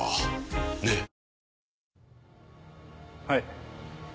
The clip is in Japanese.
はい。